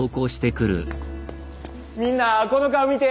みんなこの顔見て。